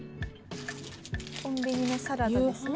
コンビニのサラダですね